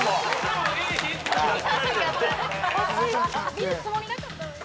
見るつもりなかったのに。